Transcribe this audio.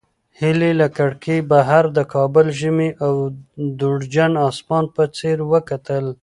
هیلې له کړکۍ بهر د کابل ژمني او دوړجن اسمان ته په ځیر وکتل.